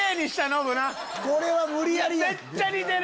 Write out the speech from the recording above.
これは無理やりやって。